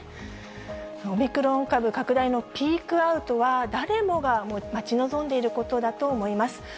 オミクロン株拡大のピークアウトは、誰もが待ち望んでいることだと思います。